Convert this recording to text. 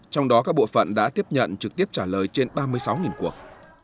trong đó các bộ phận đã tiếp nhận trực tiếp trả lời trên ba mươi sáu cuộc